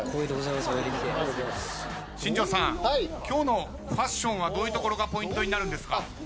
今日のファッションはどういうところがポイントになるんですか？